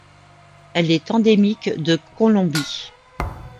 Elle est endémique de Colombie.